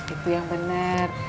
itu yang bener